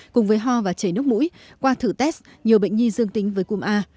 cùng với ho và chảy nước mũi qua thử test nhiều bệnh nhi dương tính với cúm a